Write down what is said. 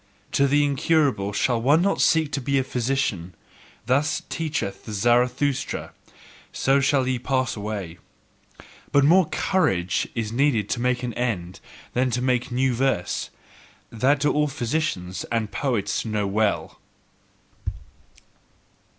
To the incurable shall one not seek to be a physician: thus teacheth Zarathustra: so shall ye pass away! But more COURAGE is needed to make an end than to make a new verse: that do all physicians and poets know well.